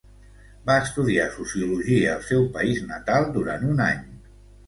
Va estudiar sociologia al seu país natal durant un any.